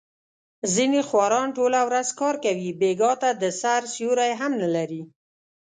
ځنې خواران ټوله ورځ کار کوي، بېګاه ته د سیر سیوری هم نه لري.